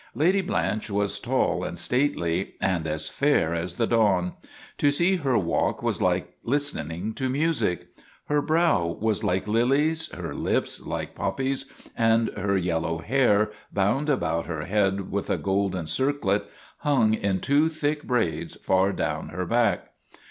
Lady Blanche was tall and stately and as fair as the dawn. To see her walk was like listening to music. Her brow was like lilies, her lips like pop pies, and her yellow hair, bound about her head with a golden circlet, hung in two thick braids far down her back.